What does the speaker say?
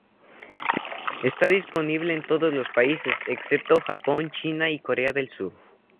Está disponible en todos los países excepto Japón, China y Corea del Sur.